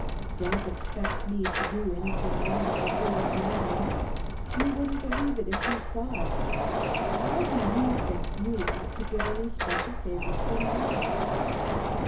"Don't expect me to do anything wonderful here in Nazareth. You wouldn't believe it if you saw it. Why do you think you ought to get any special favors from God?"